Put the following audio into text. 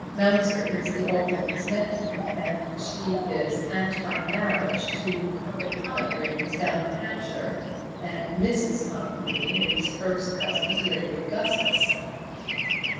Mounser is the old woman's nephew, and she is aunt by marriage to the Connop Greens down in Hampshire, and Mrs. Connop Green is first cousin to Lady Augustus."